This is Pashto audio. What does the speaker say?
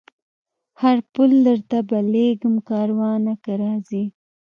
هر پل درته بلېږمه کاروانه که راځې